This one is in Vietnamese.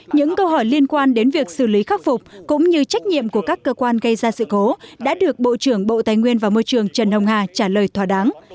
những câu hỏi liên quan đến việc xử lý khắc phục cũng như trách nhiệm của các cơ quan gây ra sự cố đã được bộ trưởng bộ tài nguyên và môi trường trần hồng hà trả lời thỏa đáng